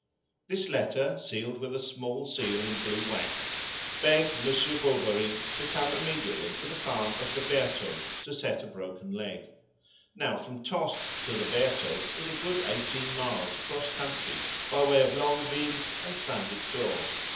This letter, sealed with a small seal in blue wax, begged Monsieur Bovary to come immediately to the farm of the Bertaux to set a broken leg. Now from Tostes to the Bertaux was a good eighteen miles across country by way of Longueville and Saint Victor.